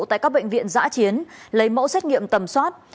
tại các bệnh viện giã chiến lấy mẫu xét nghiệm tầm soát